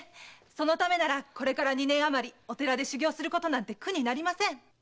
そのためならこれから二年余りお寺で修業することなんて苦になりません！